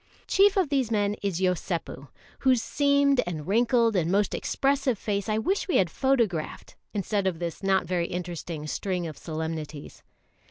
Chief of these men is Yosépu, whose seamed and wrinkled and most expressive face I wish we had photographed, instead of this not very interesting string of solemnities.